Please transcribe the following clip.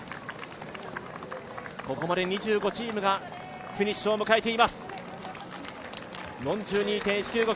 ここまで２５チームがフィニッシュを迎えています。４２．１９５